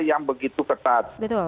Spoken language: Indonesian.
yang begitu ketat